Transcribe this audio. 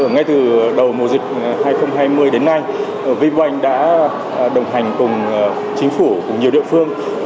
ngay từ đầu mùa dịch hai nghìn hai mươi đến nay vinh banh đã đồng hành cùng chính phủ cùng nhiều địa phương